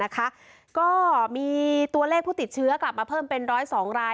ก็มีตัวเลขผู้ติดเชื้อกลับมาเพิ่มเป็น๑๐๒ราย